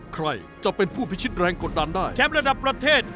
ใครจะเป็นผู้พิชิตแรงกดดันได้แชมป์ระดับประเทศ